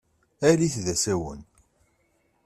Alit d asawen.